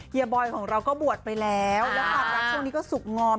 บอยของเราก็บวชไปแล้วแล้วความรักช่วงนี้ก็สุขงอม